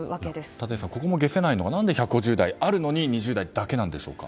立石さん、ここも解せないのは何で１５０台もあるのに２０台だけなんでしょうか。